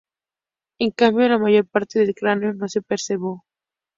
En cambio la mayor parte del cráneo no se preservó.